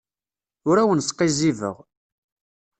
Ur awen-sqizzibeɣ.